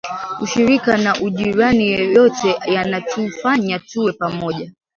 Ushirika na ujirani yote yanatufanya tuwe pamoja